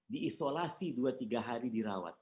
diisolasi dua tiga hari dirawat